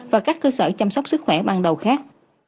và các cơ sở chăm sóc sức khỏe ban đầu khác